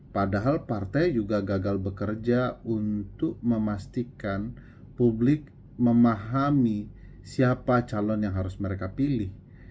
padahal partai juga gagal bekerja untuk memastikan publik memahami siapa calon yang harus mereka pilih